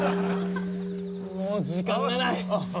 ・もう時間がない！